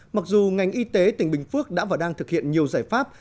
mặc dù ngành y tế tỉnh bình phước đã và đang thực hiện nhiều giải pháp